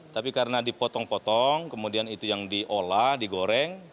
tapi karena dipotong potong kemudian itu yang diolah digoreng